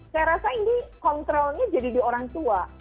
saya rasa ini kontrolnya jadi di orang tua